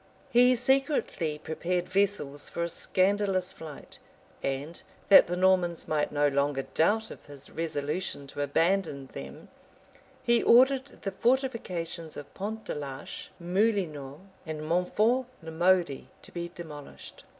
He secretly prepared vessels for a scandalous flight; and, that the Normans might no longer doubt of his resolution to abandon them, he ordered the fortifications of Pont de l'Arche, Moulineux, and Monfort l'Amauri to be demolished.